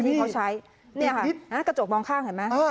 ที่เขาใช้เนี่ยค่ะกระจกมองข้างเห็นไหม